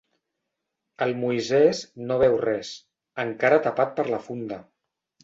El Moisès no veu res, encara tapat per la funda.